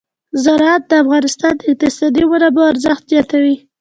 زراعت د افغانستان د اقتصادي منابعو ارزښت زیاتوي.